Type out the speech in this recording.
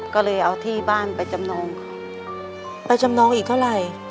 ก็เลยเอาที่บ้านไปจำนองค่ะไปจำนองอีกเท่าไหร่